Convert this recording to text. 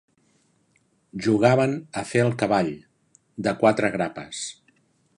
Jugaven a fer el cavall, de quatre grapes.